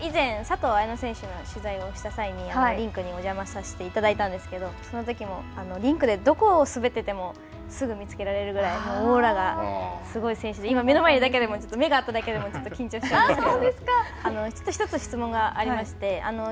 以前佐藤綾乃選手を取材した際にリンクにお邪魔させていただいたんですけどそのときもリンクでどこを滑っていてもすぐ見つけられるぐらいオーラがすごい選手で今目の前にいるだけでも、目が合っただけでもちょっと緊張しちゃうんですけど。